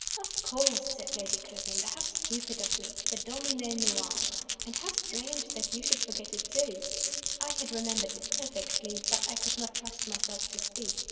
"Of course!" said Lady Clarinda. "How stupid of me! The 'Domino Noir.' And how strange that you should forget it too!" I had remembered it perfectly; but I could not trust myself to speak.